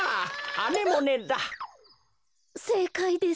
はっせいかいです。